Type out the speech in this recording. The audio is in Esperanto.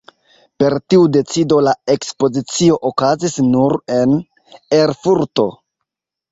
Per tiu decido la ekspozicio okazis nur en Erfurto.